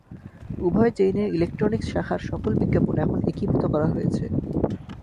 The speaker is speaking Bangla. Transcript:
উভয় চেইনের ইলেক্ট্রনিক্স শাখার সকল বিজ্ঞাপন এখন একীভূত করা হয়েছে।